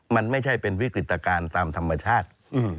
มันไม่ใช่เป็นวิกฤตการณ์ตามธรรมชาติ